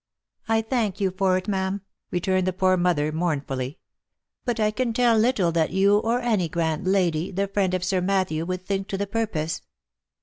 " I thank you for it, ma'am," returned the poor mother, mournfully ;" but I can tell little that you, or any grand lady, the friend of Sir Matthew, would think to the purpose.